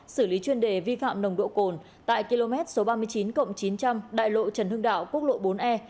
xử lý chuyên đề vi phạm nồng độ cồn tại km số ba mươi chín cộng chín trăm linh đại lộ trần hưng đạo quốc lộ bốn e